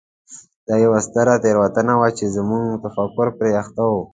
دا یوه ستره تېروتنه وه چې زموږ تفکر پرې اخته و.